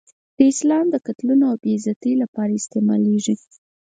دا اسلام د قتلونو او بې عزتۍ لپاره استعمالېږي.